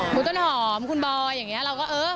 มูต้นหอมมูต้นหอมคุณบอยอย่างนี้เราก็เออ